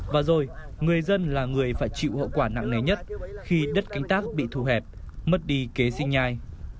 và rồi người dân là người phải chịu hậu quả nặng nề nhất khi đất cánh tác bị thu hẹp mất đi kế sinh nhai